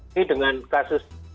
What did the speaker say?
ini dengan kasus